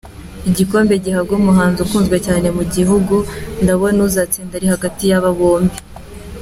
Igikombe gihabwa umuhanzi ukunzwe cyane mu gihugu, ndabona uzatsinda ari hagati y’aba bombi.